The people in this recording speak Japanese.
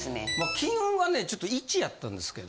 金運がねちょっと１やったんですけど。